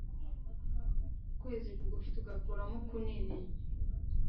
ukwezi kugufi tugakuramo kunini